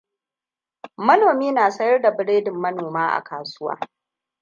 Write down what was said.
Manomi na sayar da biredin manoma a kasuwa.